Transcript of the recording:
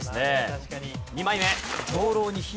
２枚目。